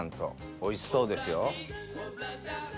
おいしそうですよ。